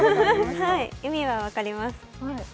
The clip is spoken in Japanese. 意味は分かります。